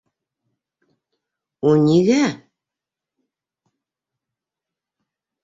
У нигә?!